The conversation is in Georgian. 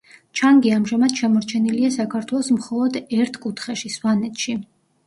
ჩანგი ამჟამად შემორჩენილია საქართველოს მხოლოდ ერთ კუთხეში, სვანეთში.